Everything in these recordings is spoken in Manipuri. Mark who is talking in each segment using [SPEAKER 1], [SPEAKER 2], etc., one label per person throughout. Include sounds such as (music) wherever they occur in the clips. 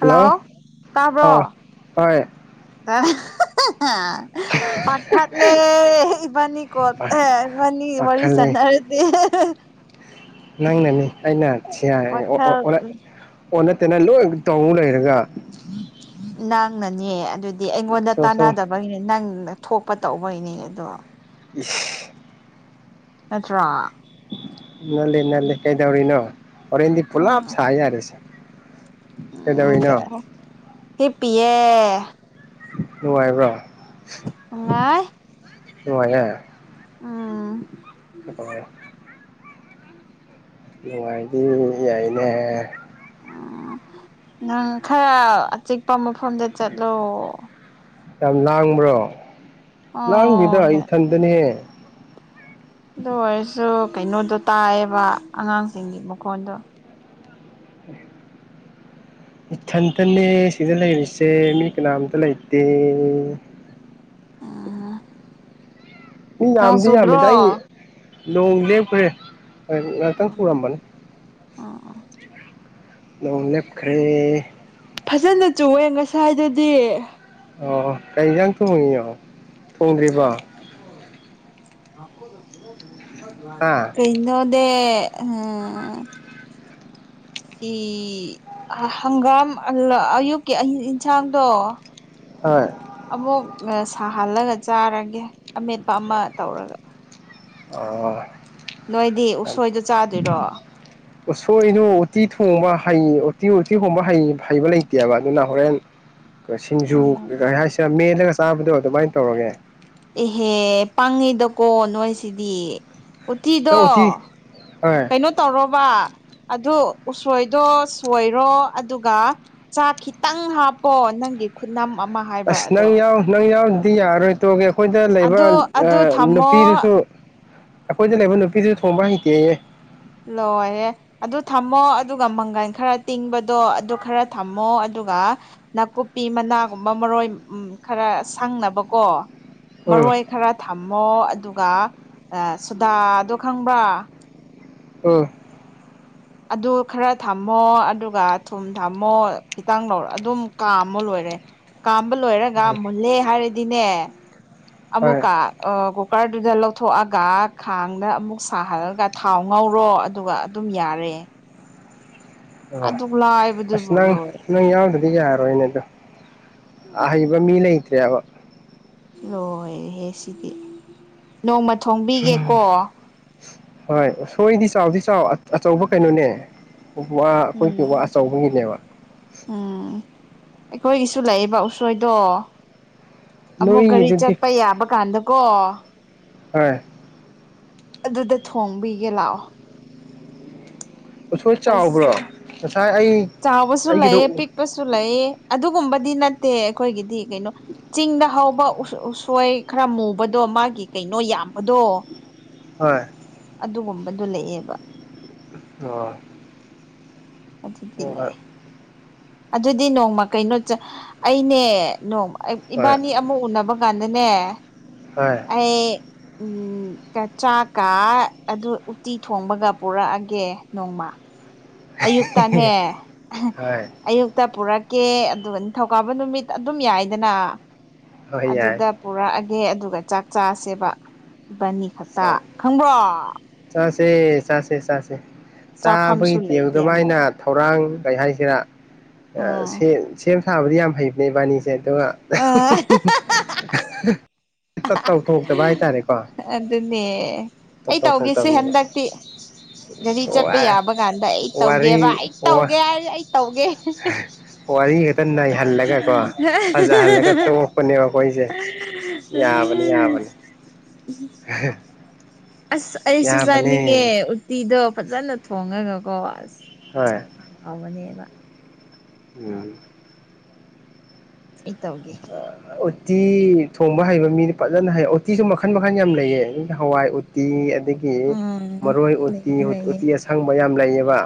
[SPEAKER 1] ꯍꯜꯂꯣ
[SPEAKER 2] ꯑ
[SPEAKER 1] ꯇꯥꯕ꯭ꯔꯣ
[SPEAKER 2] ꯍꯣꯏ
[SPEAKER 1] (unintelligible) ꯄꯥꯈꯠ ꯂꯦ ꯏꯕꯥꯅꯤ ꯀꯣꯠ ꯑꯦ ꯏꯕꯥꯅꯤ ꯋꯔꯤ
[SPEAKER 2] ꯄꯥꯈꯠꯂꯦ
[SPEAKER 1] ꯁꯟꯅꯔꯗꯤ (unintelligible)
[SPEAKER 2] ꯅꯪꯅꯅꯤ ꯑꯩꯅ ꯁꯤ (unintelligible) ꯑꫭ ꯑꫭ
[SPEAKER 1] ꯋꯥꯈꯜ
[SPEAKER 2] ꯑꫭꯅꯥ ꯑꯣꯟꯅꯥ ꯇꯩꯅꯥ ꯂꯣꯏꯅ ꯇꯧ ꯂꯩꯔꯒ
[SPEAKER 1] ꯅꯪꯅꯅꯦ ꯑꯗꯨꯗꯤ ꯑꯩꯉꯣꯟꯗ
[SPEAKER 2] ꯁꯨꯝ ꯁꯨꯝ
[SPEAKER 1] ꯇꯥꯟꯅꯗꯕꯒꯤꯅꯦ ꯅꯪꯅ ꯊꯣꯛꯄ ꯇꯧꯕꯒꯤꯅꯦ ꯑꯗꯣ
[SPEAKER 2] ꯏꯁ
[SPEAKER 1] ꯅꯠꯇ꯭ꯔꯣ
[SPEAKER 2] ꯅꯠꯂꯤ ꯅꯠꯂꯤ ꯀꯩꯗꯧꯔꯤꯅꯣ ꯍꯣꯔꯦꯟꯗꯤ ꯄꯨꯂꯞ
[SPEAKER 1] ꯎꯝ
[SPEAKER 2] ꯁ ꯌꯥꯔ‌ꯦꯁꯦ
[SPEAKER 1] ꯎꯝ ꯍꯤꯞꯄꯤꯌꯦ
[SPEAKER 2] ꯅꯨꯡꯉꯥꯏꯕ꯭ꯔꫭ
[SPEAKER 1] ꯅꯨꯡꯉꯥꯏ
[SPEAKER 2] ꯅꯨꯡꯉꯥꯏꯌꯦ
[SPEAKER 1] ꯎꯝ
[SPEAKER 2] ꯑꯣ ꯅꯨꯡꯉꯥꯏꯗꯤ ꯌꯥꯏꯅꯦꯍ‌ꯦ
[SPEAKER 1] ꯎꯝ ꯅꯪ ꯈꯔ ꯑꯆꯤꯛꯄ ꯃꯐꯝꯗ ꯆꯠꯂꯣ
[SPEAKER 2] ꯌꯥꯝ ꯂꯥꯡꯕ꯭ꯔꯣ ꯂꯥꯡꯗꯦꯗ
[SPEAKER 1] ꯑꯣ
[SPEAKER 2] ꯏꯊꯟꯗꯅꯦ
[SPEAKER 1] ꯑꯗꯨ ꯑꯣꯏꯔꯁꯨ ꯀꯩꯅꯣꯗꯣ ꯇꯥꯏꯌꯦꯕ ꯑꯉꯥꯡꯁꯤꯡꯒꯤ ꯃꯈꯣꯟꯗꯣ
[SPEAKER 2] ꯏꯊꯟꯇꯅꯦ ꯁꯤꯗ ꯂꯩꯔꯤꯁꯦ ꯃꯤ ꯀꯅꯥꯝꯇ ꯂꯩꯇꯦ
[SPEAKER 1] ꯎꯝ
[SPEAKER 2] ꯃꯤ
[SPEAKER 1] ꯅꯣꯡ
[SPEAKER 2] ꯌꯥꯝꯗꯤ
[SPEAKER 1] ꯆꯨꯗ꯭ꯔꯣ
[SPEAKER 2] ꯌꯥꯝꯃꯤꯗ ꯑꯩ ꯅꯣꯡ ꯂꯦꯞꯈ꯭ꯔꯦ ꯉꯥꯛꯇꯪ ꯆꯨꯔꯝꯕꯅꯤ
[SPEAKER 1] ꯑꯥ ꯑꯥ
[SPEAKER 2] ꯅꯣꯡ ꯂꯦꯞꯈ꯭ꯔꯦ
[SPEAKER 1] ꯐꯖꯅ ꯆꯨꯑꯦ ꯉꯁꯥꯏꯗꯨꯗꯤ
[SPEAKER 2] ꯑꯣ ꯀꯩ ꯏꯟꯖꯥꯡ ꯊꯣꯡꯉꯤꯅꫭ ꯊꯣꯡꯗ꯭ꯔꯤꯕꯣ ꯍꯥ
[SPEAKER 1] ꯑꯩ ꯅꯥꯗꯦ ꯎꯝ ꯁꯤ ꯍꯪꯒꯥꯝ ꯑꯌꯨꯛꯀꯤ ꯏꯟꯁꯥꯡꯗꯣ
[SPEAKER 2] ꯍꯣꯏ
[SPEAKER 1] ꯑꯃꯨꯛ ꯁꯥꯍꯜꯂꯒ ꯆꯥꯔꯒꯦ ꯑꯃꯦꯠꯄ ꯑꯃꯥ ꯇꯧꯔꯒ
[SPEAKER 2] ꯑꯣ
[SPEAKER 1] ꯅꯣꯏꯗꯤ ꯎꯁꯣꯏꯗꯣ ꯆꯥꯗꯣꯏꯔꯣ
[SPEAKER 2] ꯎꯁꯣꯏꯗꯨ ꯎꯇꯤ ꯊꯣꯡꯕ ꯍꯩ ꯎꯇꯤ ꯎꯇꯤ ꯊꯣꯡꯕ ꯍꯩ ꯍꯩꯕ ꯂꯩꯇꯦꯕ ꯑꯗꯨꯅ ꯍꯣꯔꯦꯟ (unintelligible) ꯁꯤꯡꯖꯨ
[SPEAKER 1] ꯎꯝ
[SPEAKER 2] ꯀꯩꯩ ꯍꯥꯏꯁꯤꯔꯥ ꯃ‌ꯦꯠꯂꯒ ꯆꯥꯕꯗꯣ ꯑꯗꯨꯃꯥꯏꯅ ꯇꯧꯔꯒꯦ
[SPEAKER 1] ꯑꯦꯍꯦ ꯄꯪꯉꯤꯗꯀꯣ ꯅꯣꯏꯁꯤꯗꯤ
[SPEAKER 2] ꯅꯪ
[SPEAKER 1] ꯎꯠꯇꯤꯗꯣ
[SPEAKER 2] ꯎꯇꯤ ꯍꯣꯏ
[SPEAKER 1] ꯀꯩꯅꯣ ꯇꯧꯔꯣꯕ ꯑꯗꯨ ꯎꯁꯣꯏꯗꯣ ꯁꯣꯏꯔꯣ ꯑꯗꯨꯒ ꯆꯥꯛ ꯈꯤꯇꯪ ꯍꯥꯞꯄꯣ ꯅꯪꯒꯤ ꯈꯨꯠꯅꯝ ꯑꯃꯥ ꯍꯥꯏ
[SPEAKER 2] ꯑꯁ ꯅꯪ ꯌꯥꯎ ꯅꯪ ꯌꯥꯎꯗ꯭ꯔꯗꯤ ꯌꯔꯣꯏ ꯇꯧꯒꯦ ꯑꯩꯈꯣꯏꯗ ꯂꯩꯕ
[SPEAKER 1] ꯑꯗꯣ ꯑꯗꯨ ꯊꯝꯃꯣ
[SPEAKER 2] ꯅꯨꯄꯤꯗꯨꯁꯨ ꯑꯩꯈꯣꯏꯗ ꯂꯩꯕ ꯅꯨꯄꯤꯗꯨ ꯊꯣꯡꯕ ꯍꯩꯇꯦꯌꯦ
[SPEAKER 1] ꯂꯣꯏꯔꯦ ꯑꯗꯨ ꯊꯝꯃꯣ ꯑꯗꯨꯒ ꯃꯪꯒꯟ ꯈꯔ ꯇꯤꯡꯕꯗꯣ ꯑꯗꯨ ꯈꯔ ꯊꯝꯃꯣ ꯑꯗꯨꯒ ꯅꯥꯀꯨꯞꯄꯤ ꯃꯅꯥꯒꯨꯝꯕ ꯃꯔꯣꯏ ꯎꯝ ꯈꯔ ꯁꯪꯅꯕꯀꯣ
[SPEAKER 2] ꯎꯝ
[SPEAKER 1] ꯃꯔꯣꯏ ꯈꯔ ꯊꯝꯃꯣ ꯑꯗꯨꯒ ꯑꯥ ꯁꯨꯗꯥꯗꯣ ꯈꯪꯕ꯭ꯔꯥ
[SPEAKER 2] ꯎꯝ
[SPEAKER 1] ꯑꯗꯨ ꯈꯔ ꯊꯝꯃꯣ ꯑꯗꯨꯒ ꯊꯨꯝ ꯊꯝꯃꯣ ꯈꯤꯇꯪ ꯂꯧꯔ ꯈꫪ ꯑꯗꯨꯝ ꯀꯥꯝꯃꯣ ꯂꯣꯏꯔꯦ ꯀꯥꯝꯕ ꯂꯣꯏꯔꯒ ꯃꯨꯜꯂꯦ ꯍꯥꯏꯔꯗꯤꯅꯦ
[SPEAKER 2] ꯍꯣꯏ
[SPEAKER 1] ꯑꯃꯨꯛꯀ ꯑꯥ ꯀꯨꯀꯔꯗꯨꯗ ꯂꯧꯊꯣꯛꯑꯒ ꯈꯥꯡꯗ ꯑꯃꯨꯛ ꯁꯥꯍꯜꯂꯒ ꯊꯥꯎ ꯉꯧꯔꯣ ꯑꯗꯨꯒ ꯑꯗꯨꯝ ꯌꯥꯔꯦ
[SPEAKER 2] ꯑꯣ
[SPEAKER 1] ꯑꯗꯨꯛ ꯂꯥꯏ
[SPEAKER 2] ꯑꯁ ꯅꯪ ꯅꯪ ꯌꯥꯎꯗ꯭ꯔꯗꯤ ꯌꯥꯔꯣꯏꯅꯦ ꯑꯗꯣ ꯑꯍꯩꯕ ꯃꯤ ꯂꯩꯇ꯭ꯔꯦꯕ
[SPEAKER 1] ꯂꯣꯏꯔꯦꯍꯦ ꯁꯤꯗꯤ ꯅꯣꯡꯃ
[SPEAKER 2] ꯎꯝ
[SPEAKER 1] ꯊꯣꯡꯕꯤꯒꯦꯀꯣ
[SPEAKER 2] ꯍꯣꯏ ꯁꯣꯏꯗꯤ ꯆꯥꯎꯗꯤ ꯆꯥꯎ ꯑ ꯑꯆꯧꯕ ꯀꯩꯅꯣꯅꯦ ꯋꯥ ꯑꯈꯣꯏꯒꯤ
[SPEAKER 1] ꯎꯝ
[SPEAKER 2] ꯋꯥ ꯑꯆꯧꯕꯒꯤꯅꯦꯕ
[SPEAKER 1] ꯎꯝ ꯑꯩꯈꯣꯏꯒꯤꯁꯨ ꯂꯩꯌꯦꯕ ꯎꯁꯣꯏꯗꯣ ꯑꯃꯨꯛ ꯒꯥꯔꯤ
[SPEAKER 2] ꯅꯣꯏꯒꯤꯗꯨꯗꯤ
[SPEAKER 1] ꯆꯠꯄ ꯌꯥꯕ ꯀꯥꯟꯗꯀꯣ
[SPEAKER 2] ꯍꯣꯏ
[SPEAKER 1] ꯑꯗꯨꯗ ꯊꯣꯡꯕꯤꯒꯦ ꯂꯥꯛꯑꯣ
[SPEAKER 2] ꯎꯁꯣꯏ ꯆꯥꯎꯕ꯭ꯔꯣ
[SPEAKER 1] (unintelligible)
[SPEAKER 2] ꯉꯁꯥꯏ ꯑꯩ
[SPEAKER 1] ꯆꯥꯎꯕꯁꯨ
[SPEAKER 2] ꯑꯩꯒꯤꯗꯣ
[SPEAKER 1] ꯂꯩꯌꯦ ꯄꯤꯛ ꯄꯁꯨ ꯂꯩꯌꯦ ꯑꯗꯨꯒꯨꯝꯕꯗꯤ ꯅꯠꯇꯦ ꯑꯩꯈꯣꯏꯒꯤꯗꯤ ꯒꯩꯅꯣ ꯆꯤꯡꯗ ꯍꯧꯕ ꯎꯁꯣ ꯎꯁꯣꯏ ꯈꯔ ꯃꯨꯕꯗꯣ ꯃꯥꯒꯤ ꯀꯩꯅꯣ ꯌꯥꯝꯕꯗꯣ
[SPEAKER 2] ꯍꯣꯏ
[SPEAKER 1] ꯑꯗꯨꯒꯨꯝꯕꯗꯨ ꯂꯩꯌꯦꯕ
[SPEAKER 2] ꯂꯣꯢꯔꯦ
[SPEAKER 1] ꯑꯗꯨꯗꯤ ꯂꯩ ꯑꯗꯨꯗꯤ ꯅꯣꯡꯃ ꯀꯩꯅꯣ ꯆꯠ ꯑꯩꯅꯦ ꯅꯣꯝ ꯑꯞ
[SPEAKER 2] ꯍꯣꯏ
[SPEAKER 1] ꯏꯕꯥꯟꯅꯤ ꯑꯃꯨꯛ ꯎꯟꯅꯕ ꯀꯥꯟꯗꯅꯦ
[SPEAKER 2] ꯍꯣꯏ
[SPEAKER 1] ꯑꯩ ꯎꯝ (unintelligible) ꯆꯥꯛꯀꯥ ꯑꯗꯨ ꯎꯇꯤ ꯊꯣꯡꯕꯒ ꯄꯨꯔꯛꯑꯒꯦ ꯅꯣꯡꯃ ꯑꯌꯨꯛꯇꯥꯅꯦ
[SPEAKER 2] ꯍꯣꯏ
[SPEAKER 1] ꯑꯌꯨꯛꯇ ꯄꯨꯔꯛꯀꯦ ꯑꯗꯨꯒ ꯅꯤꯡꯊꯧꯀꯥꯕ ꯅꯨꯃꯤꯛ ꯑꯗꯨꯝ ꯌꯥꯏꯌꯦꯗꯅꯥ
[SPEAKER 2] ꯍꯣꯏ ꯌꯥꯏ
[SPEAKER 1] ꯑꯗꯨꯗ ꯄꯨꯔꯛꯑꯒꯦ ꯑꯗꯨꯒ ꯆꯥꯛ ꯆꯥꯁꯦꯕ ꯏꯕꯥꯟꯅꯤ ꯈꯛꯇ ꯈꯪꯕ꯭ꯔꯣ
[SPEAKER 2] ꯆꯥꯁꯦ ꯆꯥꯁꯦ ꯆꯥꯁꯦ ꯆꯥꯕꯒꯤ
[SPEAKER 1] ꯆꯥꯐꯝꯁꯨ
[SPEAKER 2] ꯊꯦꯕ
[SPEAKER 1] ꯂꯩꯇꯦ ꯑꯃꯨꯛ
[SPEAKER 2] ꯗꯨꯃꯥꯏꯅ ꯊꯧꯔꯥꯡ ꯀꯩ ꯍꯥꯏꯁꯤꯔꯥ ꯑ
[SPEAKER 1] ꯎꯝ
[SPEAKER 2] ꯁꯦ ꯁꯦꯝ ꯁꯥꯕꯗꯤ ꯌꯥꯝ ꯍꯩꯕꯅꯦ ꯏꯕꯥꯟꯅꯤꯁꯦ ꯑꯗꯨꯒ
[SPEAKER 1] ꯑ
[SPEAKER 2] (unintelligible) ꯇ ꯇꯧꯊꯣꯛꯇꯕ ꯍꯥꯏꯇꯥꯔꯦꯀꯣ
[SPEAKER 1] ꯑꯗꯨꯅꯦ ꯑꯩ ꯇꯧꯒꯦꯁꯦ
[SPEAKER 2] ꯇꯧꯊꯣꯛꯇꯕꯅꯦꯕ
[SPEAKER 1] ꯍꯟꯗꯛꯇꯤ ꯒꯔꯤ ꯆꯠꯄ ꯌꯥꯕ ꯀꯥꯟꯗ ꯑꯩ ꯇꯧꯒꯦꯕ
[SPEAKER 2] ꯋꯥꯔꯤ
[SPEAKER 1] ꯑꯩ ꯇꯧꯒꯦ ꯍꯥꯢꯔꯒ ꯑꯩ ꯇꯧꯒꯦ
[SPEAKER 2] ꯋꯥꯔꯤ ꯈꯛꯇ ꯅꯩꯍꯜꯂꯒꯀꯣ ꯐꯖꯍꯜꯂꯒ ꯇꯣꯛꯄꯅꯦꯕ ꯑꯩꯈꯣꯏꯁꯦ
[SPEAKER 1] (unintelligible)
[SPEAKER 2] ꯌꯥꯕꯅꯤ ꯌꯥꯕꯅꯤ
[SPEAKER 1] (unintelligible)
[SPEAKER 2] (unintelligible)
[SPEAKER 1] ꯑꯁ ꯑꯩꯁꯨ
[SPEAKER 2] ꯌꯥꯕꯅꯦ
[SPEAKER 1] ꯆꯥꯅꯤꯡꯉꯦ ꯎꯠꯇꯤꯗꯣ ꯐꯖꯅ ꯊꯣꯡꯉꯒꯀꯣ ꯑꯁ
[SPEAKER 2] ꯍꯣꯏ
[SPEAKER 1] ꯍꯥꯎꯕꯅꯦꯕ
[SPEAKER 2] ꯎꯝ
[SPEAKER 1] ꯑꯩ ꯇꯧꯒꯦ
[SPEAKER 2] ꯎꯠꯇꯤ ꯊꯣꯡꯕ ꯍꯩꯕ ꯃꯤꯅ ꯐꯖꯅ ꯍꯩ ꯎꯠꯇꯤꯁꯨ ꯃꯈꯟ ꯃꯈꯟ ꯌꯥꯝ ꯂꯩꯌꯦ ꯍꯋꯥꯏ ꯎꯇꯤ ꯑꯗ ꯒꯤ
[SPEAKER 1] ꯎꯝ
[SPEAKER 2] ꯃꯔꯣꯏ ꯎꯠꯇꯤ
[SPEAKER 1] ꯂꯩꯌꯦ
[SPEAKER 2] ꯎꯠ
[SPEAKER 1] ꯂꯩꯌꯦ
[SPEAKER 2] ꯎꯠꯇꯤ ꯑꯁꯪꯕ ꯌꯥꯝ ꯂꯩꯌꯦꯕ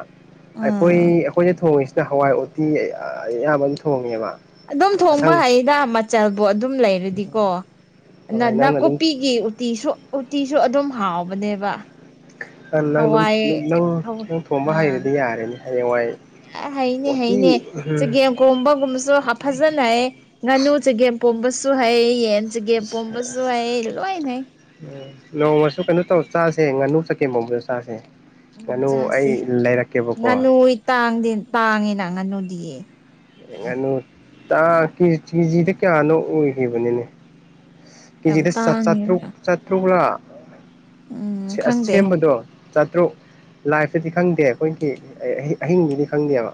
[SPEAKER 2] ꯑꯩꯈꯣꯏ
[SPEAKER 1] ꯎꯝ
[SPEAKER 2] ꯑꯈꯣꯏꯅ ꯊꯣꯡꯉꯤꯁꯤꯅ ꯍꯋꯥꯏ ꯎꯇꯤ ꯑꯌꯥꯕ ꯑꯗꯨꯝ ꯊꯣꯡꯉꯦꯕ
[SPEAKER 1] ꯑꯗꯨꯝ ꯊꯣꯡꯕ
[SPEAKER 2] ꯑꯁꯪ
[SPEAKER 1] ꯍꯩꯗ ꯃꯆꯜꯕꯨ ꯑꯗꯨꯝ ꯂꯩꯔ ꯗꯤꯀꯣ ꯑꯅ
[SPEAKER 2] ꯍꯣꯏ ꯅꯪꯅ ꯑꯗꯨꯝ
[SPEAKER 1] ꯅꯥꯀꯨꯞꯄꯤꯒꯤ ꯎꯠꯇꯤꯁꯨ ꯎꯠꯇꯤꯁꯨ ꯑꯗꯨꯝ ꯍꯥꯎꯕꯅꯦꯕ
[SPEAKER 2] ꯅꯪ ꯅꯪ ꯅꯨꯝ ꯅꯪ
[SPEAKER 1] ꯍꯋꯥꯏ
[SPEAKER 2] ꯅꯪ
[SPEAKER 1] ꯍꯋꯥꯏ
[SPEAKER 2] ꯅꯪ ꯊꯣꯡꯕ
[SPEAKER 1] ꯑꯥ
[SPEAKER 2] ꯍꯩꯔꯗꯤ ꯌꯥꯔꯦꯅꯦ ꯍꯌꯦꯡꯋꯥꯏ
[SPEAKER 1] ꯌꯥ ꯍꯩꯅꯦ
[SPEAKER 2] ꯎꯇꯤ
[SPEAKER 1] ꯍꯩꯅꯦ
[SPEAKER 2] ꯎꯝ
[SPEAKER 1] ꯆꯒꯦꯝ ꯀꯣꯝꯕꯒꯨꯝꯕꯁꯨ ꯍꯥ ꯐꯖꯅ ꯍꯩ ꯉꯥꯅꯨ ꯆꯒꯦꯝ ꯄꯣꯝꯕꯁꯨ ꯍꯩ ꯌꯦꯟ ꯆꯒꯦꯝ ꯄꯣꯝꯕꯁꯨ ꯍꯩ ꯂꯣꯏꯅ ꯍꯩ
[SPEAKER 2] ꯑ ꯅꯣꯡꯃꯁꯨ ꯀꯩꯅꯣ ꯇꯧ ꯆꯥꯁꯦ ꯉꯥꯅꯨ ꯆꯀꯦꯝ ꯄꯣꯝꯕꯗꯣ ꯆꯥꯁꯦ
[SPEAKER 1] ꯎꯝ
[SPEAKER 2] ꯉꯥꯅꯨ ꯑꯩ
[SPEAKER 1] ꯆꯥꯁꯦ
[SPEAKER 2] ꯂꯩꯔꯛꯀꯦꯕꯀꯣ
[SPEAKER 1] ꯉꯥꯅꯨ ꯇꯥꯡꯗꯤ ꯇꯥꯡꯉꯦꯅ ꯉꯥꯅꯨꯗꯤ
[SPEAKER 2] ꯉꯅꯨ ꯇꯥ ꯀꯤꯖꯤꯗ ꯀꯌꯥꯅꯣ ꯑꯣꯏꯈꯤꯕꯅꯤꯅꯦ
[SPEAKER 1] ꯌꯥꯝ
[SPEAKER 2] ꯀꯦꯖꯤꯗ ꯆꯥꯇ꯭ꯔꯨꯛ
[SPEAKER 1] ꯇꯥꯡꯉꯦꯕ
[SPEAKER 2] ꯆꯥꯇ꯭ꯔꯨꯛꯂꯥ
[SPEAKER 1] ꯎꯝ
[SPEAKER 2] ꯁꯦꯝ
[SPEAKER 1] ꯈꯪꯗꯦ
[SPEAKER 2] ꯑꯁꯦꯝꯕꯗꯣ ꯆꯥꯇ꯭ꯔꯨꯛ ꯂꯥꯏꯐꯇꯗꯤ ꯈꯪꯗꯦ ꯑꯩꯈꯣꯏꯒꯤ ꯑꯍꯤꯡꯒꯤꯗꯤ ꯈꯪꯗꯦꯕ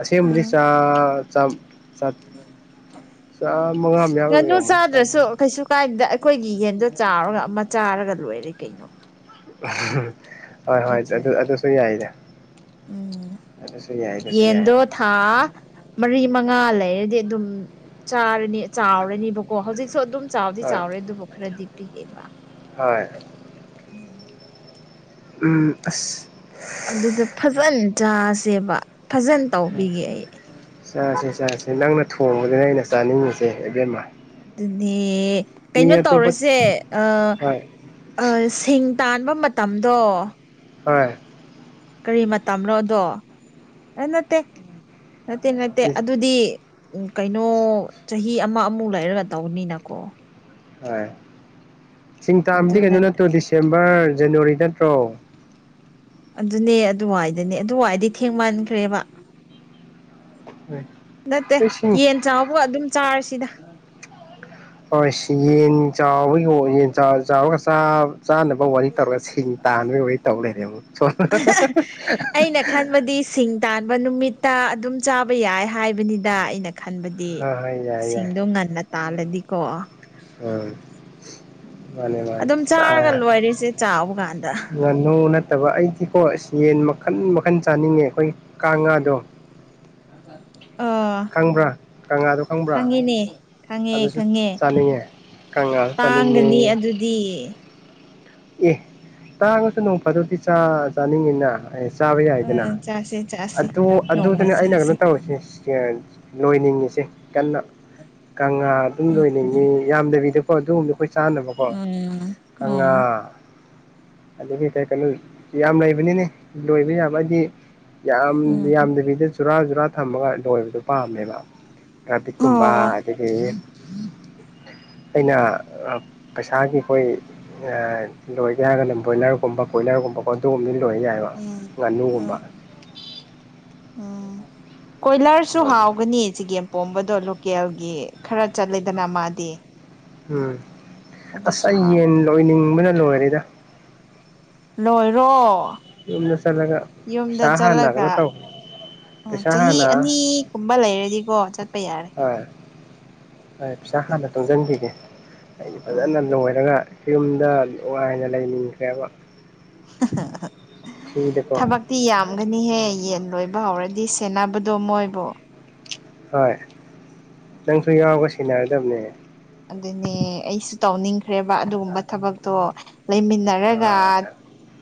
[SPEAKER 2] ꯑꯁꯤꯝꯕꯗꯤ
[SPEAKER 1] ꯎꯝ
[SPEAKER 2] ꯑꯥ ꯆꯥꯝ ꯆꯥ ꯆꯥꯝꯃꯉꯥ (unintelligible)
[SPEAKER 1] ꯀꯥꯏꯗ ꯑꯩꯈꯣꯏꯒꯤ ꯌꯦꯟꯗꯣ ꯆꯥꯎꯔꯒ ꯑꯃ ꯆꯥꯔꯒ ꯂꯣꯏꯔꯦ ꯀꯩꯅꯣ
[SPEAKER 2] (unintelligible) ꯍꯣꯏ ꯍꯣꯏ
[SPEAKER 1] ꯅꯠꯇ꯭ꯔꯦ
[SPEAKER 2] ꯑꯗꯨ ꯑꯗꯨꯁꯨ ꯌꯥꯏꯗꯥ ꯑꯗꯨꯁꯨ ꯌꯥꯢꯗ ꯑꯗꯨꯁꯨ ꯌꯥꯏ
[SPEAKER 1] ꯍꯥꯥ ꯃꯔꯤ ꯃꯉꯥ ꯂꯩꯔꯗꯤ ꯑꯗꯨꯝ ꯆꯥꯔꯅꯤ ꯆꯥꯎꯔꯅꯤꯕꯀꯣ ꯍꯧꯖꯤꯛꯁꯨ ꯑꯗꯨꯝ ꯆꯥꯎꯗꯤ
[SPEAKER 2] ꯍꯣꯏ
[SPEAKER 1] ꯆꯥꯎꯔꯦ ꯑꯗꯨꯕꯨ ꯈꯔꯗꯤ ꯄꯤꯑꯦꯕ
[SPEAKER 2] ꯍꯣꯏ
[SPEAKER 1] ꯎꯝ
[SPEAKER 2] ꯎꯝ ꯑꯁ
[SPEAKER 1] ꯑꯗꯨꯗ ꯐꯖꯅ ꯆꯥꯁꯦꯕ ꯐꯖꯅ ꯇꯧꯕꯤꯒꯦ ꯑꯩ
[SPEAKER 2] ꯆꯥꯁꯦ ꯆꯥꯁꯦ ꯅꯪꯅ ꯊꯣꯡꯕꯗꯨꯅ ꯑꯩꯅ ꯆꯥꯅꯤꯡꯉꯤꯁꯦ ꯑꯦꯕꯦꯝꯃ
[SPEAKER 1] ꯑꯗꯨꯗꯤ ꯀꯩꯅꯣ ꯇꯧꯔꯁꯦ ꯑꯥ
[SPEAKER 2] ꯍꯣꯏ
[SPEAKER 1] ꯑꯥ ꯁꯤꯡ ꯇꯥꯟꯕ ꯃꯇꯝꯗꯣ
[SPEAKER 2] ꯍꯣꯢ
[SPEAKER 1] ꯀꯔꯤ ꯃꯇꯝꯅꯣꯗꯣ ꯑꯦ ꯅꯠꯇꯦ ꯅꯠꯇꯦ ꯅꯠꯇꯦ ꯑꯗꯨꯗꯤ ꯎꯝ ꯀꯩꯅꯣ ꯆꯍꯤ ꯑꯃ ꯑꯃꯨꯛ ꯂꯩꯔꯒ ꯇꯧꯅꯤꯅꯀꯣ
[SPEAKER 2] ꯍꯣꯏ ꯁꯤꯡ ꯇꯥꯕꯗꯤ
[SPEAKER 1] ꯑꯗꯨ
[SPEAKER 2] ꯀꯩꯅꯣ
[SPEAKER 1] ꯅꯠꯇ
[SPEAKER 2] ꯅꯠꯇ꯭ꯔꯣ ꯗꯤꯁꯦꯝꯕꯔ ꯖꯅꯋꯥꯔꯤ ꯅꯠꯇ꯭ꯔꯣ
[SPEAKER 1] ꯑꯗꯨꯅꯦ ꯑꯗꯨꯋꯥꯏꯗꯨꯅꯦ ꯑꯗꯨꯏꯗꯤ ꯊꯦꯡꯃꯥꯟꯈ꯭ꯔꯦꯕ ꯅꯠꯇꯦ
[SPEAKER 2] ꯍꯣꯏ ꯁꯤꯡ
[SPEAKER 1] ꯌꯦꯟ ꯆꯥꯕ ꯑꯗꯨꯝ ꯆꯥꯔꯁꯤꯗ
[SPEAKER 2] ꯍꯣꯏ ꯁꯤ ꯌꯦꯟ ꯆꯥꯎꯕꯒꯤꯑꯣ ꯌꯦꯟ ꯆꯥꯎꯔ ꯆꯥꯎꯔꯒ ꯆꯥ ꯆꯥꯅꯕ ꯋꯥꯔꯤ ꯇꯧꯔꯒ ꯁꯤꯡ ꯇꯥꯟꯕꯒꯤ ꯋꯥꯔꯤ ꯇꯧ ꯂꯩꯔꯦꯕ (unintelligible)
[SPEAKER 1] ꯑꯩꯅ ꯈꯟꯕꯗꯤ ꯁꯤꯡ ꯇꯥꯟꯕ ꯅꯨꯃꯤꯠꯇ ꯑꯗꯨꯝ ꯆꯥꯕ ꯌꯥꯏ ꯍꯥꯏꯕꯅꯤꯗ ꯑꯩꯅ ꯈꯟꯕ ꯗꯤ
[SPEAKER 2] ꯍꯣꯏ ꯌꯥꯏ ꯌꯥꯏ
[SPEAKER 1] ꯁꯤꯡꯗꯣ ꯉꯟꯅ ꯇꯥꯜꯂꯗꯤꯀꯣ
[SPEAKER 2] (unintelligible) ꯃꯥꯅꯦ ꯃꯥꯅꯦ
[SPEAKER 1] ꯑꯗꯨꯝ ꯆꯥꯔꯒ ꯂꯣꯏꯔꯤꯁꯦ ꯆꯥꯎꯕ ꯀꯥꯟꯗ
[SPEAKER 2] ꯉꯥꯅꯨ ꯅꯠꯇꯕ ꯑꯩꯗꯤꯀꯣ ꯌꯦꯟ ꯃꯈꯟ ꯃꯈꯟ ꯆꯥꯅꯤꯡꯉꯦ ꯑꯩꯈꯣꯏ ꯀꯥꯡ ꯉꯥꯗꯣ
[SPEAKER 1] ꯌꯥ (unintelligible)
[SPEAKER 2] ꯈꯪꯕ꯭ꯔꯥ ꯀꯪꯉꯥꯗꯣ ꯈꯪꯕ꯭ꯔꯥ
[SPEAKER 1] ꯈꯪꯉꯤꯅꯦ ꯈꯪꯉꯦ
[SPEAKER 2] ꯑꯗꯨꯁꯨ
[SPEAKER 1] ꯈꯪꯉꯦ
[SPEAKER 2] ꯆꯥꯅꯤꯡꯉꯦ ꯀꯉꯥ ꯆꯅꯤꯡꯉꯦ
[SPEAKER 1] ꯇꯥꯡꯒꯅꯤ (unintelligible)
[SPEAKER 2] ꯑꯦ ꯇꯥꯡꯉꯥꯁꯨ ꯅꯣꯡ ꯐꯥꯗꯣꯛꯗꯤ ꯆꯥ ꯆꯥꯅꯤꯡꯉꯤꯅ (unintelligible) ꯆꯥꯕ ꯌꯥꯏꯗꯅ
[SPEAKER 1] ꯎꯝ ꯆꯥꯁꯦ ꯆꯥꯁꯦ
[SPEAKER 2] ꯑꯗꯨ
[SPEAKER 1] ꯅꯣꯡꯃ
[SPEAKER 2] ꯑꯗꯨꯗꯥꯅꯦ ꯑꯩꯅ ꯀꯩꯅꯣ
[SPEAKER 1] ꯆꯥꯁꯦ
[SPEAKER 2] ꯇꯧꯔꯁꯦ (unintelligible) ꯂꯣꯏꯅꯤꯡꯉꯤꯁꯦ ꯀꯟꯅ ꯀꯪꯂꯥ ꯑꯗꯨꯝ
[SPEAKER 1] ꯎꯝ
[SPEAKER 2] ꯂꯣꯏꯅꯤꯡꯉꯤ ꯌꯥꯝꯗꯕꯤꯗ ꯑꯣ ꯑꯗꯨꯒꯨꯝꯕ ꯑꯩꯈꯣꯏ ꯆꯥꯅꯕꯀꯣ
[SPEAKER 1] ꯎꯝ
[SPEAKER 2] ꯑꯪꯂꯥ
[SPEAKER 1] ꯎꯝ
[SPEAKER 2] ꯑꯗꯒꯤ ꯀꯩ ꯀꯩꯅꯣ ꯌꯥꯝ ꯂꯩꯕꯅꯤꯅꯦ ꯂꯣꯏꯕ ꯌꯥꯕꯗꯤ ꯌꯥꯝ
[SPEAKER 1] ꯎꯝ ꯎꯝ
[SPEAKER 2] ꯌꯥꯝꯗꯕꯤꯗ ꯆꯨꯔꯥ ꯆꯨꯔꯥ ꯊꯝꯃꯒ ꯂꯣꯏꯕꯗꯣ ꯄꯥꯝꯃꯦꯕ ꯔ꯭ꯇꯤꯡꯀꯨꯝꯕ
[SPEAKER 1] ꯑꯣ
[SPEAKER 2] ꯑꯗꯒꯤ ꯑꯩꯅ ꯄꯩꯁꯥꯒꯤ ꯍꯣꯏ ꯑꯥ ꯂꯣꯏꯒꯦ ꯍꯥꯏꯔꯒꯅ ꯕꯣꯏꯂꯔꯒꯨꯝꯕ ꯀꯣꯏꯂꯔꯒꯨꯝꯕ ꯀꯣ ꯑꯗꯨꯒꯨꯝꯕꯗꯣ ꯂꯣꯏ ꯌꯥꯏꯌꯦꯕ
[SPEAKER 1] ꯎꯝ ꯎꯝ
[SPEAKER 2] ꯉꯥꯅꯨꯒꯨꯝꯕ
[SPEAKER 1] ꯎꯝ ꯎꯝ ꯀꯣꯏꯂꯔꯁꯨ
[SPEAKER 2] ꯂꯣꯏꯒꯦ
[SPEAKER 1] ꯍꯥꯎꯒꯅꯤ ꯆꯤꯒꯦꯝ ꯇ‌ꯣꯝꯕꯗꯣ ꯂꯣꯀꯦꯜꯒꯤ ꯈꯔ ꯆꯠꯂꯦꯗꯅ ꯃꯥꯗꯤ
[SPEAKER 2] ꯎꯝ ꯑꯁ
[SPEAKER 1] ꯑꯗꯨꯁꯨ
[SPEAKER 2] ꯑꯩ ꯌꯦꯟ
[SPEAKER 1] ꯍꯥꯎꯒꯅꯤ
[SPEAKER 2] ꯂꯣꯏꯅꯤꯡꯕꯅ ꯂꯣꯏꯔꯦꯗ
[SPEAKER 1] ꯂꯣꯏꯔꯣ
[SPEAKER 2] ꯌꯨꯝꯗ ꯆꯠꯂꯒ
[SPEAKER 1] ꯌꯨꯝꯗ
[SPEAKER 2] ꯄꯩꯁꯥ ꯍꯥꯟꯅ
[SPEAKER 1] ꯆꯠꯂꯒ
[SPEAKER 2] ꯀꯩꯅ‌ꯣ ꯇꯧ
[SPEAKER 1] ꯎꯝ
[SPEAKER 2] ꯄꯩꯁꯥ
[SPEAKER 1] ꯆꯍꯤ
[SPEAKER 2] ꯍꯥꯟꯅ
[SPEAKER 1] ꯑꯅꯤꯒꯨꯝꯕ ꯂꯩꯔꯗꯤꯀꯣ ꯆꯠꯄ ꯌꯥꯔꯦ
[SPEAKER 2] ꯍꯣꯏ ꯄꯩꯁꯥ
[SPEAKER 1] ꯑꯗꯨꯗ
[SPEAKER 2] ꯍꯥꯟꯅ ꯇꯨꯡꯖꯤꯟꯈꯤꯒꯦ ꯑꯩꯗꯤ ꯐꯖꯅ
[SPEAKER 1] ꯎꯝ
[SPEAKER 2] ꯂꯣꯏꯔꯒ ꯌꯨꯝꯗ ꯅꯨꯡꯉꯥꯏꯅ ꯂꯩꯅꯤꯡꯈ꯭ꯔꯦꯕ
[SPEAKER 1] (unintelligible)
[SPEAKER 2] ꯐ꯭ꯔꯤꯗꯀꯣ
[SPEAKER 1] ꯇꯤ ꯌꯥꯝꯒꯅꯤꯍꯦ ꯌꯦꯟ ꯂꯣꯏꯕ ꯍꯧꯔꯗꯤ ꯁꯦꯟꯅꯕꯗꯣ ꯃꯣꯏꯕ‌ꯣ
[SPEAKER 2] ꯍꯣꯏ ꯅꯪꯁꯨ ꯌꯥꯎꯔꯒ ꯁ‌ꯦꯟꯅꯔꯗꯕꯅꯦ
[SPEAKER 1] ꯑꯗꯨꯅꯦ ꯑꯩꯁꯨ ꯇꯧꯅꯤꯡꯈ꯭ꯔꯦꯕ ꯑꯗꯨꯒꯨꯝꯕ ꯊꯕꯛꯇꯣ ꯂꯩꯃꯤꯟ ꯅꯔꯒ
[SPEAKER 2] ꯑꯥ ꯍꯣꯏ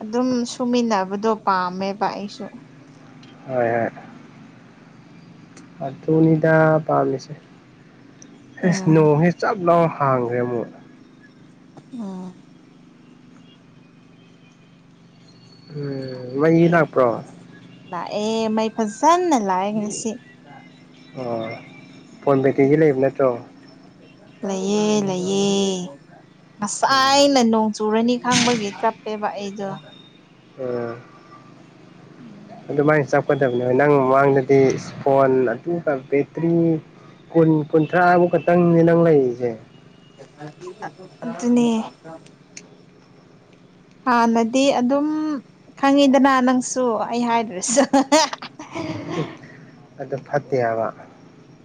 [SPEAKER 1] ꯑꯗꯨꯝ ꯁꯨꯃꯤꯟꯅꯕꯗꯣ ꯄꯥꯝꯃꯦꯕ ꯑꯩꯁꯨ
[SPEAKER 2] ꯍ‌ꯣꯏ ꯍ‌ꯣꯏ ꯑꯗꯨꯅꯤꯗ ꯄꯥꯝꯃꯤꯁꯦ ꯑꯦꯁ
[SPEAKER 1] ꯎꯝ
[SPEAKER 2] ꯅꯣꯡꯁꯦ ꯆꯞ ꯂꯥꯎ ꯍꯥꯡꯈ꯭ꯔꯦ ꯑꯃꯨꯛ
[SPEAKER 1] ꯎꯝ
[SPEAKER 2] ꯎꯝ ꯃꯩ
[SPEAKER 1] ꯑꯗꯨꯗꯨ
[SPEAKER 2] ꯂꯥꯛꯄ꯭ꯔꯣ
[SPEAKER 1] ꯄꯥꯝ ꯂꯥꯛꯑꯦ ꯃꯩ ꯐꯖꯅ ꯂꯥꯛꯑꯦ ꯉꯁꯤ
[SPEAKER 2] ꯑꯣ ꯐꯣꯟ ꯕꯦꯀꯤꯡꯗꯤ ꯂꯩꯕ ꯅꯠꯇ꯭ꯔꯣ
[SPEAKER 1] ꯂꯩꯌꯦ ꯂꯩꯌꯦ
[SPEAKER 2] ꯑꯣ
[SPEAKER 1] ꯉꯁꯥꯏꯅ ꯅꯣꯡ ꯆꯨꯔꯅꯤ ꯈꯪꯕꯒꯤ ꯆꯞꯄꯦꯕ ꯑꯩꯗꯣ
[SPEAKER 2] ꯎꯝ
[SPEAKER 1] ꯎꯝ
[SPEAKER 2] ꯑꯗꯨꯃꯥꯏ ꯆꯞ ꯊꯣꯛꯀꯗꯕꯅꯦ ꯅꯪ ꯃꯃꯥꯡꯗꯗꯤ ꯐꯣꯟ ꯑꯗꯨꯒ ꯕꯦꯇ꯭ꯔꯤ ꯀꯨꯟ ꯀꯨꯟꯊ꯭ꯔꯥꯃꯨꯛ ꯈꯛꯇꯪꯅꯦ ꯅꯪ ꯂꯩꯔꯤꯁꯦ
[SPEAKER 1] (unintelligible) ꯑ ꯑꯗꯨꯅꯦ ꯍꯥꯟꯅꯗꯤ ꯑꯗꯨꯝ ꯈꯪꯉꯤꯗꯅ ꯅꯪꯁꯨ ꯑꯩ ꯍꯥꯏꯗ꯭ꯔꯥꯁꯨ
[SPEAKER 2] ꯍꯨꯡ ꯑꯗ‌ꯣ ꯐꯠꯇꯦ ꯍꯥꯏꯕ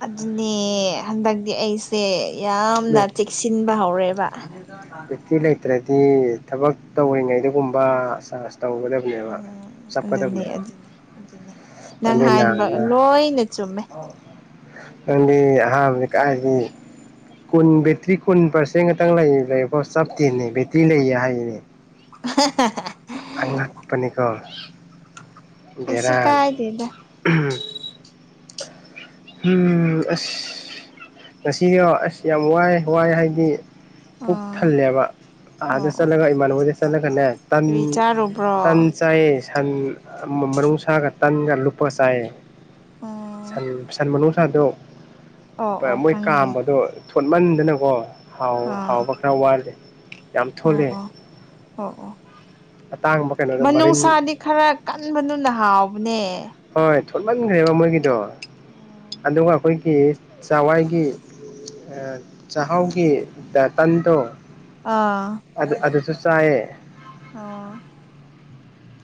[SPEAKER 1] ꯑꯗꯨꯅꯦ ꯍꯟꯗꯛꯇꯤ ꯑꯩ ꯁꯦ ꯌꯥꯝꯅ ꯆꯦꯛꯁꯤꯟꯕ ꯍꯧꯔꯦꯕ
[SPEAKER 2] ꯇ꯭ꯔꯗꯤ ꯊꯕꯛ ꯇꯧꯔꯤꯉꯩꯗꯒꯨꯝꯕ ꯆꯥꯖꯁ ꯇꯧꯕꯅ‌ꯦꯕ ꯅ‌ꯦꯕ
[SPEAKER 1] ꯎꯝ ꯑꯗꯨꯅꯦ
[SPEAKER 2] ꯆꯞꯀꯗꯕꯅ‌ꯦꯕ
[SPEAKER 1] ꯑꯗꯨꯅꯦ ꯑꯗꯨꯅꯦ ꯅꯪ ꯍꯥꯏꯕ ꯂꯣꯏꯅ ꯆꯨꯝꯃꯦ
[SPEAKER 2] ꯅꯪꯗꯤ ꯑꯍꯥꯟꯕꯗ ꯀꯥꯏꯗꯩ ꯀꯨꯟ ꯕꯦꯇ꯭ꯔꯤ ꯀꯨꯟ ꯄꯥꯔꯁꯦꯟ ꯉꯥꯛꯇꯪ ꯂꯩ ꯂꯩꯀꯣ ꯆꯞꯇꯦꯅꯦ ꯕꯦꯇ꯭ꯔꯤ ꯂꯩꯌꯦ ꯍꯥꯏꯌꯦꯅꯦ
[SPEAKER 1] (unintelligible)
[SPEAKER 2] ꯑꯉꯛꯄꯅꯤꯀ‌ꯣ
[SPEAKER 1] ꯀꯩꯁꯨ
[SPEAKER 2] ꯕ‌ꯦꯔꯥꯅ‌ꯦ
[SPEAKER 1] ꯀꯥꯏꯗꯦꯗ
[SPEAKER 2] ꯍꯨꯝ ꯑꯁ ꯉꯁꯤꯒꯤ ꯑꯁ ꯌꯥꯝ ꯋꯥꯏ ꯋꯥꯏ ꯍꯥꯏꯗꯤ ꯄꯨꯛ
[SPEAKER 1] ꯑꯣ
[SPEAKER 2] ꯊꯜꯂꯦꯕ ꯑꯥꯗ
[SPEAKER 1] ꯑꯣ ꯑꯣ
[SPEAKER 2] ꯆꯠꯂꯒ ꯏꯃꯥꯟꯅꯍ‌ꯣꯏꯗ ꯆꯠꯂꯒꯅꯦ ꯇꯟ
[SPEAKER 1] ꯀꯔꯤ ꯆꯥꯔꯨꯕ꯭ꯔꯣ
[SPEAKER 2] ꯇꯟ ꯆꯥꯏꯌꯦ ꯁꯟ ꯑ ꯃꯅꯨꯡꯁꯥꯒ ꯇꯟꯒ ꯂꯨꯞꯄꯒ ꯆꯥꯏꯌꯦ
[SPEAKER 1] ꯑꯣ
[SPEAKER 2] ꯁꯟ ꯁꯟ ꯃꯅꯨꯡꯁꯥꯗꯣ
[SPEAKER 1] ꯑꯣ
[SPEAKER 2] ꯃꯣꯏ
[SPEAKER 1] ꯈꯪꯉꯦ
[SPEAKER 2] ꯀꯥꯝꯕꯗꯣ ꯊꯣꯠꯃꯟꯗꯅꯀꯣ ꯍꯥꯎ
[SPEAKER 1] ꯑꯥ
[SPEAKER 2] ꯍꯥꯎꯕ ꯈꯔ ꯋꯥꯠꯂꯦ ꯌꯥꯝ
[SPEAKER 1] ꯑꯣ
[SPEAKER 2] ꯊꯣꯠꯂꯦ
[SPEAKER 1] ꯑꯣ ꯑꯣ
[SPEAKER 2] ꯑꯇꯥꯡꯕ ꯀꯩꯅꯣꯗꯣ ꯃꯔꯤꯟ
[SPEAKER 1] ꯃꯅꯨꯡꯁꯥꯗꯤ ꯈꯔ ꯀꯟꯕꯗꯨꯅ ꯍꯥꯎꯕꯅꯦ
[SPEAKER 2] ꯍꯣꯏ ꯊꯣꯠꯃꯟꯒ꯭ꯔꯦꯕ ꯃꯣꯏꯒꯤꯗꯣ ꯑꯗꯨꯒ ꯑꯈꯣꯏꯒꯤ ꯆꯋꯥꯏꯒꯤ ꯑ ꯆꯥꯛꯍꯥꯎꯒꯤ ꯇ ꯇꯟꯗꯣ
[SPEAKER 1] ꯑꯥ
[SPEAKER 2] ꯑꯗꯨ ꯑꯗꯨꯁꯨ ꯆꯥꯏꯌꯦ
[SPEAKER 1] ꯑꯣ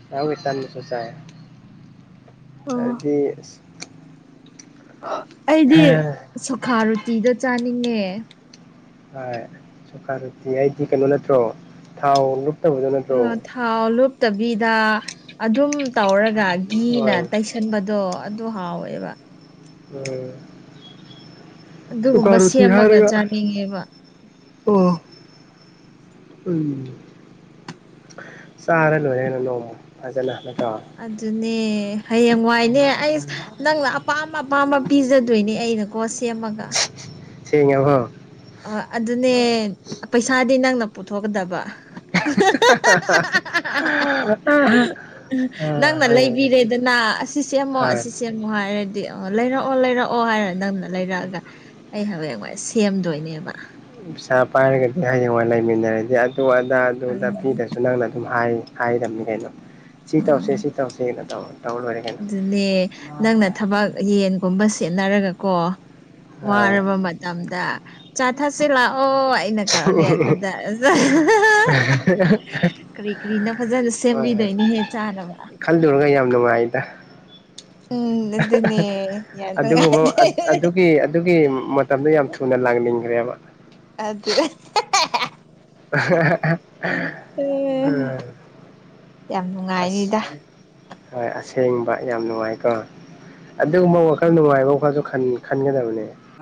[SPEAKER 2] ꯆꯍꯥꯎꯒꯤ ꯇꯟꯗꯨꯁꯨ ꯆꯥꯏꯌꯦ
[SPEAKER 1] ꯑꯣ
[SPEAKER 2] ꯑꯗꯨꯗꯤ
[SPEAKER 1] ꯑꯩꯗꯤ ꯁꯨꯈꯥ ꯔꯨꯇꯤꯗꯣ ꯆꯥꯅꯤꯡꯉꯦ
[SPEAKER 2] ꯑ ꯁꯣꯀꯥꯔꯨꯇꯤ ꯍꯥꯏꯗꯤ ꯀꯩꯅꯣ ꯅꯠꯇ꯭ꯔꯣ ꯊꯥꯎ ꯂꯨꯞꯇꯕꯗꯣ ꯅꯠꯇ꯭ꯔꯣ
[SPEAKER 1] ꯊꯥꯎ ꯂꯨꯞꯇꯕꯤꯗ ꯑꯗꯨꯝ ꯇꯧꯔꯒ ꯒꯤꯅ
[SPEAKER 2] ꯍꯣꯏ
[SPEAKER 1] ꯇꯩꯁ ꯁꯟꯕꯗꯣ ꯑꯗꯨ ꯍꯥꯎꯋꯦꯕ
[SPEAKER 2] ꯎꯝ ꯁꯨꯀꯥ
[SPEAKER 1] ꯑꯗꯨꯒꯨꯝꯕ
[SPEAKER 2] ꯔꯨꯇꯤ
[SPEAKER 1] ꯁꯦꯝꯃꯒ
[SPEAKER 2] ꯍꯥꯏꯔꯒ
[SPEAKER 1] ꯆꯥꯅꯤꯡꯉꯦꯕ
[SPEAKER 2] ꯑꯣ ꯎꯝ ꯆꯥꯔ ꯂꯣꯏꯔꯦꯅ ꯅꯣꯡꯃ ꯐꯖꯅ ꯅꯠꯇꯔꯣ
[SPEAKER 1] ꯑꯗꯨꯅꯦ ꯍꯌꯦꯡꯋꯥꯏꯅꯦ ꯑꯩꯁ ꯅꯪꯅ ꯑꯄꯥꯝ ꯑꯄꯥꯝꯕ ꯄꯤꯖꯗꯣꯏꯅꯦ ꯑꯩꯅ ꯀꯣ ꯁꯦꯝꯃꯒ
[SPEAKER 2] ꯁꯦꯡꯉꯕꯣ
[SPEAKER 1] ꯑꯣ ꯑꯗꯨꯅꯦ ꯄꯩꯁꯥꯗꯤ ꯅꯪꯅ ꯄꯨꯊꯣꯛꯀꯗꯕ
[SPEAKER 2] (unintelligible)
[SPEAKER 1] ꯅꯪꯅ
[SPEAKER 2] ꯍꯣꯏ ꯍꯣꯏ
[SPEAKER 1] ꯂꯩꯕꯤꯔꯦꯗꯅ ꯑꯁꯤ ꯁꯦꯝꯃꯣ ꯑꯁꯤ
[SPEAKER 2] ꯄꯩꯁꯥ
[SPEAKER 1] ꯁꯦꯝꯃꯣ ꯍꯥꯏꯔꯗꯤ ꯑ ꯂꯩꯔꯛꯑꯣ ꯂꯩꯔꯛꯑꯣ ꯍꯥꯏꯔ ꯅꯪꯅ ꯂꯩꯔꯛꯑꯒ ꯑꯩ ꯍꯕꯦꯟꯋꯥꯥꯏ ꯁꯦꯝꯗꯣꯏꯅꯦꯕ
[SPEAKER 2] ꯄꯩꯁꯥ ꯄꯥꯏꯔꯒꯗꯤ ꯍꯌꯦꯡꯋꯥꯏ ꯂꯩꯃꯤꯟꯅꯔꯗꯤ ꯑꯗꯨ ꯑꯗꯥ ꯑꯗꯨ ꯑꯗꯥ
[SPEAKER 1] ꯑꯗꯨꯅ
[SPEAKER 2] ꯄꯤꯗꯁꯨ ꯁꯨ ꯅꯪꯅ ꯑꯗꯨꯝ ꯍꯥꯏ ꯍꯥꯏꯗꯝꯅꯤ ꯀꯩꯅꯣ ꯁꯤ ꯇꯧꯁꯦ
[SPEAKER 1] ꯎꯝ
[SPEAKER 2] ꯁꯤ ꯇꯧꯁꯦꯅꯦ ꯇꯧ ꯇꯧꯔ ꯂꯣꯏꯔꯦ ꯀꯩꯅꯣ
[SPEAKER 1] ꯑꯗꯨꯅꯦ ꯅꯪꯅ ꯊꯕꯛ ꯌꯦꯟꯒꯨꯝꯕ ꯁꯦꯠꯅꯔꯒ ꯀꯣ
[SPEAKER 2] ꯍꯣꯏ
[SPEAKER 1] ꯋꯥꯔꯕ ꯃꯇꯝꯗ ꯆꯥ ꯊꯥꯛꯁꯦ ꯂꯥꯛꯑꯣ ꯑꯩꯅ ꯀꯧꯔꯅꯦ ꯑꯗꯨꯗ ꯀꯔꯤ ꯀꯔꯤꯅꯣ ꯐꯖꯅ
[SPEAKER 2] ꯍꯣꯏ ꯍꯣꯏ
[SPEAKER 1] ꯁꯦꯝꯕꯤꯗꯣꯏꯅꯤꯍꯦ ꯆꯥꯅꯕ
[SPEAKER 2] ꯈꯜꯂꯨꯔꯒ ꯌꯥꯝ ꯅꯨꯡꯉꯥꯏꯗ
[SPEAKER 1] ꯎꯝ ꯑꯗꯨꯅꯦ ꯌꯥꯝ ꯅꯨꯡꯉꯥꯏꯗꯦ
[SPEAKER 2] ꯒꯤ ꯑꯗꯨꯒꯤ ꯃꯇꯝꯗꯣ ꯌꯥꯝ ꯊꯨꯅ ꯂꯥꯡꯅꯤꯡꯈ꯭ꯔꯦꯕ
[SPEAKER 1] ꯑꯗꯨ
[SPEAKER 2] (unintelligible)
[SPEAKER 1] ꯌꯥꯝ
[SPEAKER 2] ꯑꯁ
[SPEAKER 1] ꯅꯨꯡꯉꯥꯏꯔꯤꯗ
[SPEAKER 2] ꯍꯣꯏ ꯑꯁꯦꯡꯕ ꯌꯥꯝ ꯅꯨꯡꯉꯥꯏꯀꯣ ꯑꯗꯨꯒꯨꯝꯕ
[SPEAKER 1] ꯎꯝ
[SPEAKER 2] ꯋꯥꯈꯜ ꯅꯨꯡꯉꯥꯏꯕ ꯋꯥꯈꯜꯁꯨ ꯈꯟ ꯈꯟꯒꯗꯕꯅꯦ